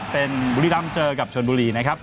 เป็นบุรีรัมเจอกับชนบุรี